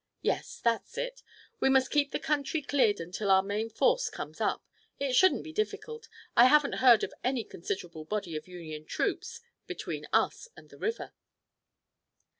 "Yes, that's it. We must keep the country cleared until our main force comes up. It shouldn't be difficult. I haven't heard of any considerable body of Union troops between us and the river."